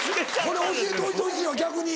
これ教えておいてほしいわ逆に。